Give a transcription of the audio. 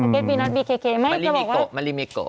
เมลี้เมะโก